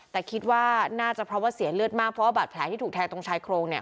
แต่คิดว่าน่าจะเพราะว่าเสียเลือดมากเพราะว่าบาดแผลที่ถูกแทงตรงชายโครงเนี่ย